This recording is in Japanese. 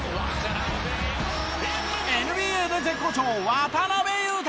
ＮＢＡで絶好調渡邊雄太。